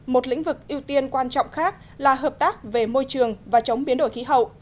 một lĩnh vực ưu tiên quan trọng khác là hợp tác về môi trường và chống biến đổi khí hậu